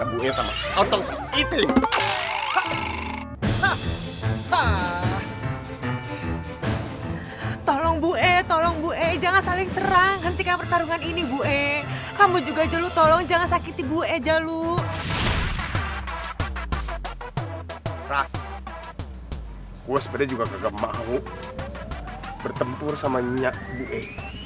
gue sebenernya juga gak mau bertempur sama nyat buwe